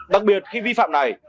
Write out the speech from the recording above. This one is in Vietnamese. đặc biệt khi vi phạm này